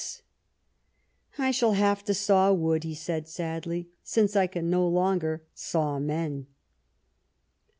233 Bismarck " I shall have to saw wood," he said sadly, " since I can no longer saw men."